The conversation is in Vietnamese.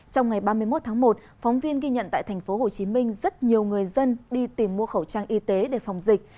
trong ngày ba mươi một tháng một phóng viên ghi nhận tại thành phố hồ chí minh rất nhiều người dân đi tìm mua khẩu trang y tế để phòng dịch